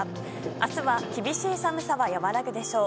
明日は、厳しい寒さは和らぐでしょう。